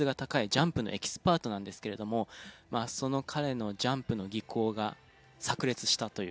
ジャンプのエキスパートなんですけれどもその彼のジャンプの技巧が炸裂したという感じですね。